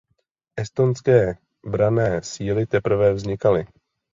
Estonské branné síly teprve vznikaly.